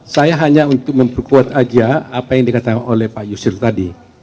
saya hanya untuk memperkuat aja apa yang dikatakan oleh pak yusir tadi